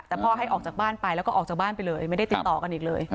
แต่พ่อให้ออกจากบ้านไปแล้วก็ออกจากบ้านไปเลยไม่ได้ติดต่อกันอีกเลย